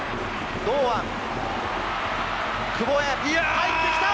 入ってきた！